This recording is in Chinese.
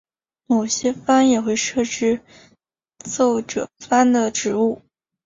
某些藩也会设置奏者番的职务。